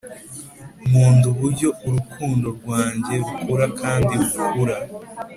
nkunda uburyo urukundo rwanjye rukura kandi rukura